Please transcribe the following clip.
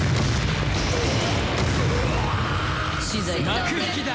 幕引きだ！